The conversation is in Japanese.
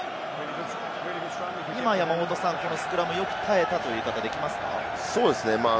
今、このスクラム、よく耐えたという見方ができますか？